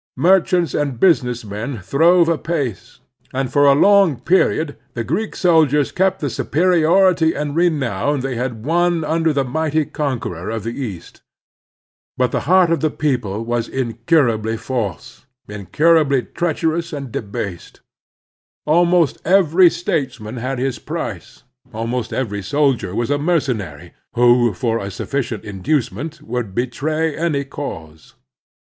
Merchants and business men throve apace, and for a long period the Greek soldiers kept the superiority and renown they had won tmder the mighty conqueror of the East. But the heart of the people was incurably false, incurably treach ••'W* '^ i C^x ''^^^^^•'^^^' d^/^ Character and Success 117 erous and debased. Almost every statesman had his price, ahnost every soldier was a mercenary who, for a sufficient inducement, would betray any cause.